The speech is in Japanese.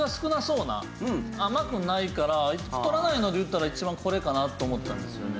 甘くないから太らないのでいったら一番これかなと思ったんですよね。